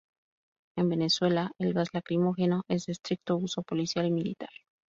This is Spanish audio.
En Venezuela, el gas lacrimógeno es de estricto uso policial y militar.